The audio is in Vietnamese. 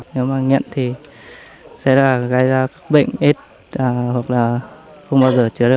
nếu mà nghiện thì sẽ gây ra các bệnh ít hoặc là không bao giờ chữa được